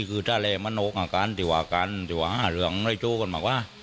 คือท่าเลยมันโอกอาการที่ว่าอาการที่ว่าหลวงน้อยชู้คนบอกว่า